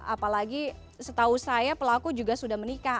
apalagi setahu saya pelaku juga sudah menikah